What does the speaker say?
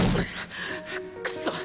クソッ！